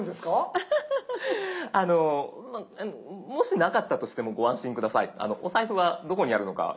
アハハハハ。もしなかったとしてもご安心下さいお財布はどこにあるのか分かります。